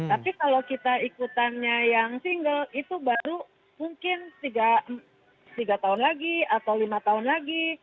tapi kalau kita ikutannya yang single itu baru mungkin tiga tahun lagi atau lima tahun lagi